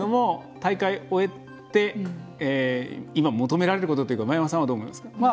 大会、終えて今、求められることというのは真山さんはどう思いますか？